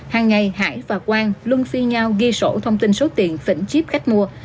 hàng ngày hải và quang luôn phi nhau ghi sổ thông tin số tiền phỉnh chip khách mua